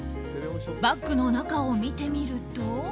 バッグの中を見てみると。